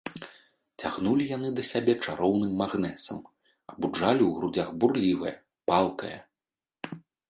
Цягнулі яны да сябе чароўным магнэсам, абуджалі ў грудзях бурлівае, палкае.